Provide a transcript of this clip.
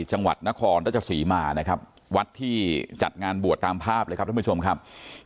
จังหวัดนครราชสีมานะครับวัดที่จัดงานบวชตามภาพเลยครับท่านผู้ชมครับ